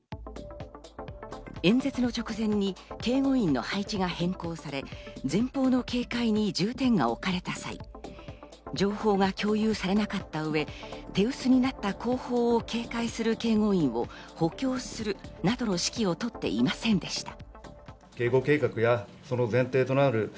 演説の直前に警護員の配置が変更され、前方の警戒に重点が置かれた際、情報が共有されなかった上、手薄になった後方を警戒する警護員を補強するなどの指揮をとっていませんでした。